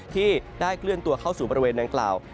ที่ได้เคลื่อนตัวเข้าสู่บริเวณดังกล่าว